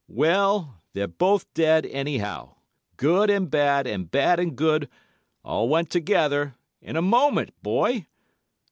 Well, they're both dead, anyhow—good and bad, and bad and good—all went together—in a moment, boy!